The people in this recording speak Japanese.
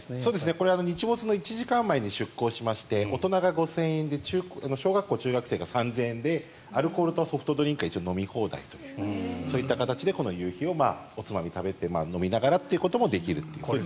これ、日没の１時間前に出港しまして大人が５０００円で中高生が３０００円でアルコールとソフトドリンクが飲み放題という形でこの夕日をおつまみを食べながら飲みながらということもできると。